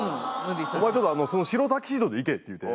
「お前その白タキシードで行け」って言うて。